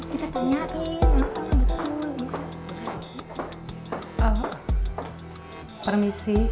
tidak terlalu ada soalan